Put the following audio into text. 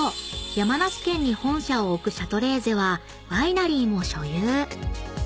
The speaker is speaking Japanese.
山梨県に本社を置くシャトレーゼはワイナリーも所有］